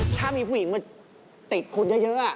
ถ้ามีผู้หญิงมาติดคุณเยอะ